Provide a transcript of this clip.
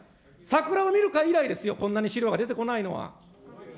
桜を見る会以来ですよ、こんなに資料が出てこないのは。